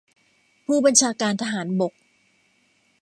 ผู้บัญชาการทหารบก